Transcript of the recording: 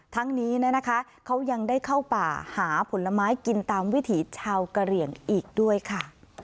ทั้งนี้นะคะเขายังได้เข้าป่าหาผลไม้กินตามวิถีชาวกะเหลี่ยงอีกด้วยค่ะ